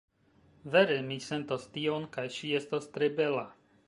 Vere, mi sentas tion, kaj ŝi estas tre bela